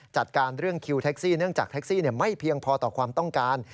จัดการเรื่องคิวแท็กซี่เนื่องจากแท็กซี่ไม่เพียงพอต่อความต้องการ